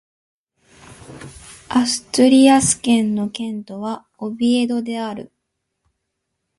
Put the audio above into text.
アストゥリアス県の県都はオビエドである